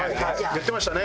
言ってましたね。